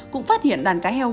cũng phát hiện đàn cá heo